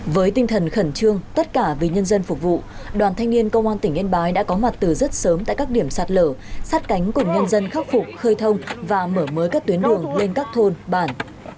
với tinh thần khẩn trương tất cả vì nhân dân phục vụ đoàn thanh niên công an tỉnh yên bái đã có mặt từ rất sớm tại các điểm sạt lở sát cánh cùng nhân dân khắc phục khơi thông và mở mới các tuyến đường lên các thôn bản